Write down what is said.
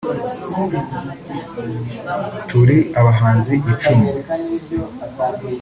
turi abahanzi icumi